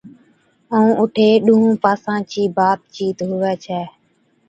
ائُون اُٺي ڏُونھُون پاسا چِي بات چيت ھُوي ڇَي